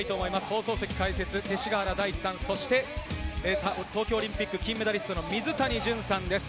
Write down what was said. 放送席・解説、勅使川原大地さん、そして東京オリンピック金メダリスト・水谷隼さんです。